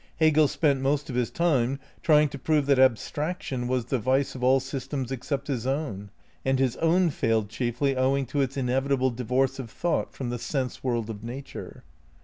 Hegel spent most of his time trying to prove that abstraction was the vice of all systems except his own ; and his own failed chief ly owing to its inevitable divorce of thought from the sense world of nature.